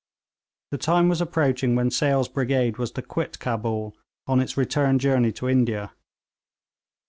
The time was approaching when Sale's brigade was to quit Cabul on its return journey to India.